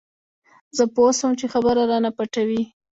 زه پوه سوم چې خبره رانه پټوي.